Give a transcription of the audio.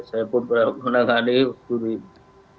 saya pun pernah mengadil